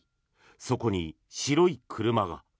そこに白い車が。